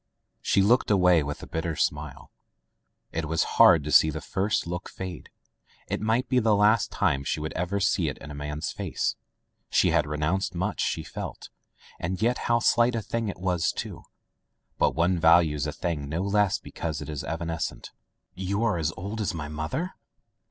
She looked away with a bitter smile. It [ 304 ] Digitized by LjOOQ IC Son of the Woods was hard to see that first look fade. It might be the last time she would ever see it in a man's face. She had renounced much, she felt — and yet how slight a thing it was, too! But one values a thing no less because it is evanescent. "You as old as my mother!'